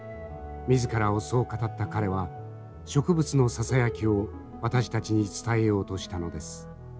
自らをそう語った彼は植物のささやきを私たちに伝えようとしたのです。